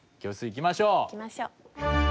行きましょう。